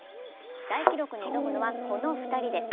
大記録に挑むのは、この２人です。